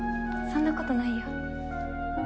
そんなことないよ。